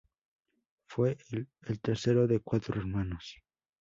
Fue el el tercero de cuatro hermanos.